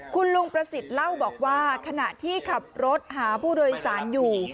คุณลุงประสิทธิ์เล่าบอกว่าขณะที่ขับรถหาผู้โดยสารอยู่